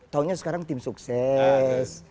taunya sekarang tim sukses